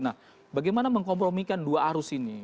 nah bagaimana mengkompromikan dua arus ini